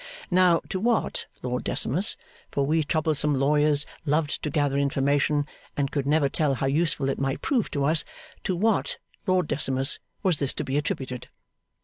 Now, to what, Lord Decimus for we troublesome lawyers loved to gather information, and could never tell how useful it might prove to us to what, Lord Decimus, was this to be attributed?